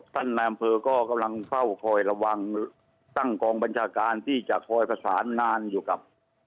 นายอำเภอก็กำลังเฝ้าคอยระวังตั้งกองบัญชาการที่จะคอยประสานนานอยู่กับ